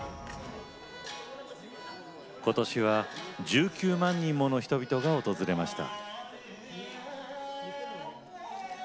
今年は１９万もの人々が訪れました。